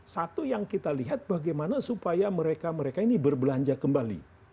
satu yang kita lihat bagaimana supaya mereka mereka ini berbelanja kembali